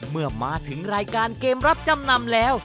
เมื่อมาถึงรายการเกมรับจำนำแล้ว